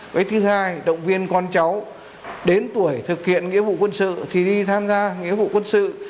với thứ hai động viên con cháu đến tuổi thực hiện nghĩa vụ quân sự thì đi tham gia nghĩa vụ quân sự